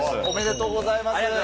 おめでとうございます。